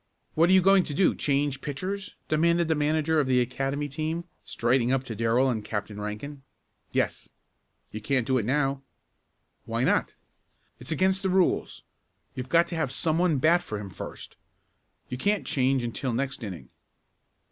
"What are you going to do; change pitchers?" demanded the manager of the Academy team, striding up to Darrell and Captain Rankin. "Yes." "You can't do it now." "Why not?" "It's against the rules. You've got to have some one bat for him first. You can't change until next inning."